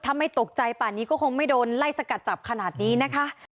ถ้าไม่ตกใจป่านี้ก็คงไม่โดนไล่สกัดจับขนาดนี้นะคะ